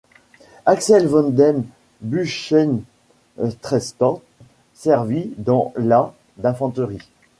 Axel von dem Bussche-Streithorst servit dans la d'infanterie.